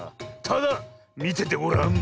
ただみててごらん。